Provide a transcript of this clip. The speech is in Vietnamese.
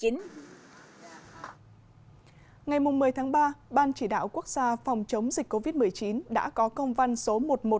ngày một mươi ba ban chỉ đạo quốc gia phòng chống dịch covid một mươi chín đã có công văn số một nghìn một trăm ba mươi tám